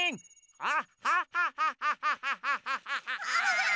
あっ！